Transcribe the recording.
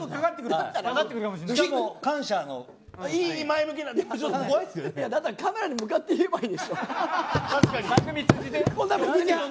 だったらカメラに向かって言えばいいでしょう。